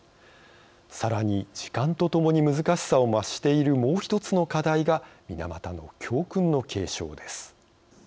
さらに、時間とともに難しさを増しているもう一つの課題が水俣の教訓の継承です。